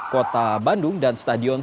kota bandung dan stadion